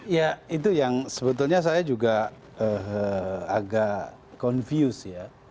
ya itu yang sebetulnya saya juga agak confuse ya